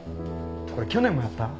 これ去年もやった？